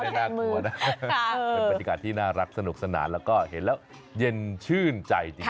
เป็นประธิกาที่น่ารักสนุกสนานแล้วก็เห็นแล้วเย็นชื่นใจจริง